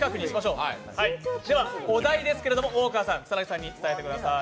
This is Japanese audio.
では、お題ですけども大川さん、草薙さんに伝えてください。